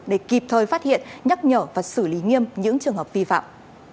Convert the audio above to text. người phát hiện nhắc nhở và xử lý nghiêm những trường hợp vi phạm